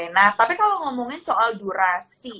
nah tapi kalau ngomongin soal durasi